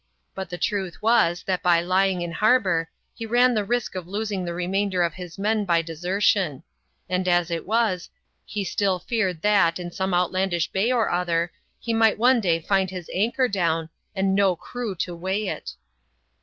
But the truth was, that by lying in harbour, he ran the risk of losing the remainder of his men by desertion : and as it was, he still feared that, in some outlandish bay or other, he might one day find his anchor down, and no crew to weigh it.